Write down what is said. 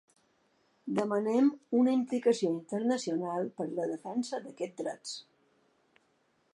Demanem una implicació internacional per la defensa d’aquests drets.